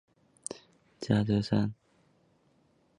加瑙山。